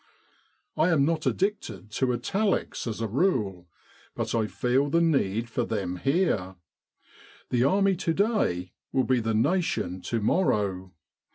I am not addicted to italics, as a rule ; but I feel the need for them here. The Army to day will be the Nation to morrow.